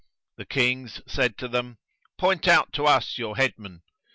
The Kings said to them, "Point out to us your headmen!"